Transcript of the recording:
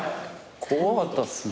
怖かったっす。